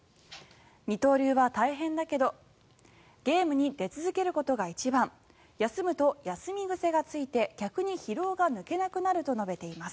二刀流は大変だけどゲームに出続けることが一番休むと休み癖がついて逆に疲労が抜けなくなると述べています。